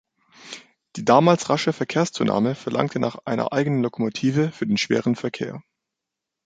Die damals rasche Verkehrszunahme verlangte nach einer eigenen Lokomotive für den schweren Verkehr.